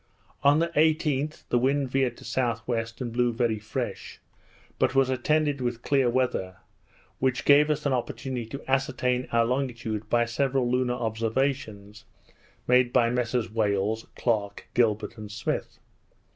On the 18th, the wind veered to S.W., and blew very fresh, but was attended with clear weather, which gave us an opportunity to ascertain our longitude by several lunar observations made by Messrs Wales, Clarke, Gilbert, and Smith.